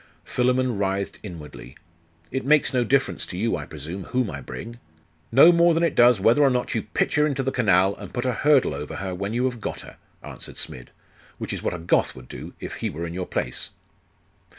Philammon writhed inwardly. 'It makes no difference to you, I presume, whom I bring?' 'No more than it does whether or not you pitch her into the canal, and put a hurdle over her when you have got her,' answered Smid; 'which is what a Goth would do, if he were in your place.